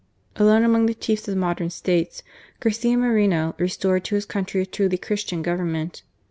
Alone among the chiefs of modern States, Garcia Moreno restored to his country a truly Christian Government.